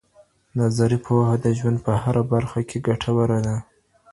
نظري پوهه د ژوند په هره برخه کې ګټوره ده.